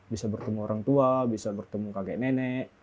bisa bertemu orang tua bisa bertemu kakek nenek